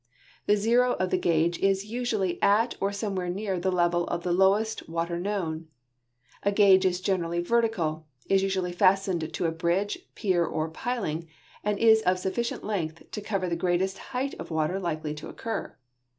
The zero of the gauge is usually at or somewhere near the level of the lowest water known. A gauge is generall}' vertical, is usually fastened to a bridge, pier, or piling, and is of sufficient length to cover the greatest height of water likely to occur.